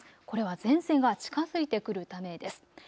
これは前線が近づいてくるためです。